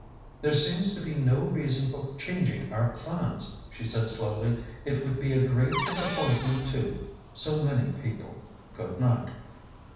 "There seems to be no reason for changing our plans," she said slowly. "It would be a great disappointment to so many people. Good night."